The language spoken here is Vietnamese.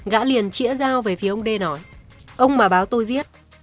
gã liền chỉa dao về phía ông d nói ông mà báo tôi giết